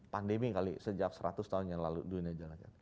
pandemi kali sejak seratus tahun yang lalu dunia jalanan